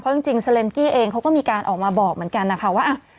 จริงเซเลนกี้เองเขาก็มีการออกมาบอกเหมือนกันนะคะว่า